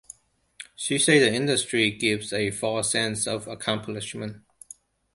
She said the industry gives a false sense of accomplishment.